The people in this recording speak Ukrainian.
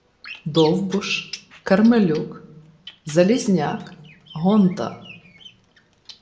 Довбуш, Кармелюк, Залізняк, Гонта